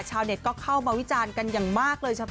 ชาวเน็ตก็เข้ามาวิจารณ์กันอย่างมากเลย